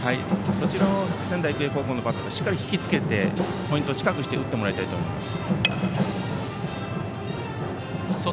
そちらを仙台育英のバッターがしっかり引き付けてポイントを近くして打ってもらいたいと思います。